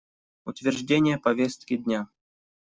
Утверждение повестки дня.